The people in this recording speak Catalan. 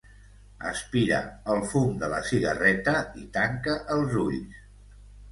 Aspira el fum de la cigarreta i tanca els ulls.